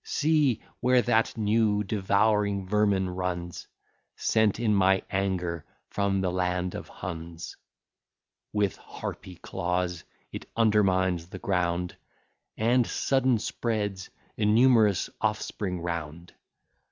See, where that new devouring vermin runs, Sent in my anger from the land of Huns! With harpy claws it undermines the ground, And sudden spreads a numerous offspring round.